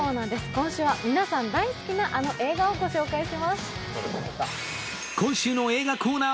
今週は皆さん大好きなあの映画をご紹介します。